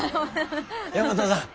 大和さん